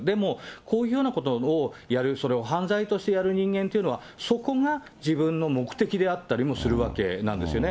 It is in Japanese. こういうようなことをやる、それを犯罪としてやる人間というのは、そこが自分の目的であったりもするわけなんですよね。